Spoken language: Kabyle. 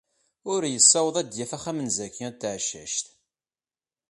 Ur yessaweḍ ad d-yaf axxam n Zakiya n Tɛeccact.